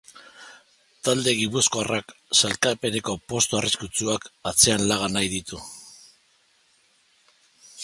Talde gipuzkoarrak sailkapeneko postu arriskutsuak atzean laga nahi ditu.